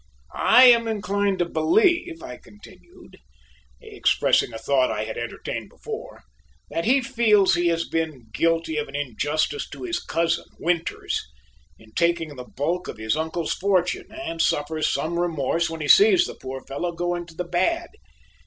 I am inclined to believe," I continued, expressing a thought I had entertained before, "that he feels he has been guilty of an injustice to his cousin, Winters, in taking the bulk of his uncle's fortune, and suffers some remorse when he sees the poor fellow going to the bad.